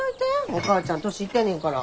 お母ちゃん年いってんねんから。